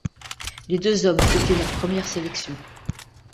Les deux hommes fêtaient leur première sélection.